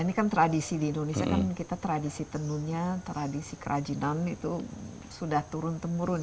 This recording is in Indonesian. ini kan tradisi di indonesia tradisi tenunya tradisi kerajinan itu sudah turun temurun